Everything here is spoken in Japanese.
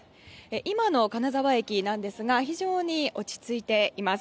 今の金沢駅ですが非常に落ち着いています。